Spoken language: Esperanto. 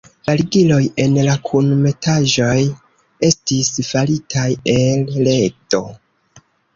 La ligiloj en la kunmetaĵoj estis faritaj el ledo.